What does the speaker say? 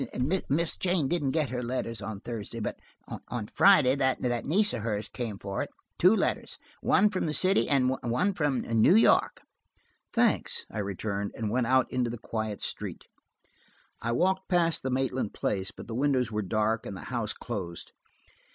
"Miss Jane didn't get her mail on Thursday, but on Friday that niece of hers came for it–two letters, one from the city and one from New York." "Thanks," I returned, and went out into the quiet street. I walked past the Maitland place, but the windows were dark and the house closed.